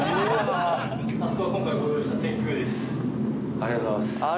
ありがとうございます。